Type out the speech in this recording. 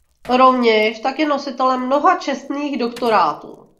Rovněž tak je nositelem mnoha čestných doktorátů.